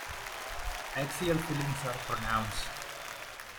Axial fillings are pronounced.